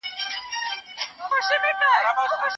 مطالعه په تنهایۍ کي تر ټولو ښه ملګری دی.